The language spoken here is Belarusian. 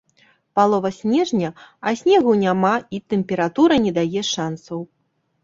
Палова снежня, а снегу няма і тэмпература не дае шансаў.